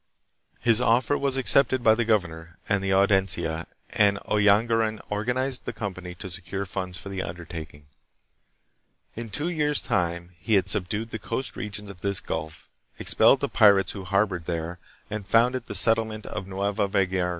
His offer was accepted by the governor and the Audi encia, and Oyanguran organized a company to secure funds for the undertaking. In two years' time he had subdued the coast regions of this gulf, expelled the pirates who harbored there, and founded the settlement of Nueva 1 Montero y Vidal: Historia de Filipinas, vol.